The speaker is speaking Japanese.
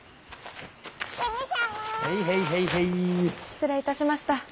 失礼いたしました。